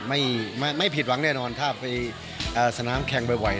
ไม่ผิดหวังแน่นอนถ้าไปสนามแข่งบ่อย